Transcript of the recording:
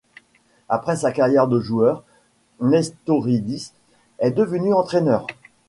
Après sa carrière de joueur, Nestorídis est devenu entraîneur.